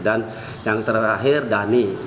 dan yang terakhir dani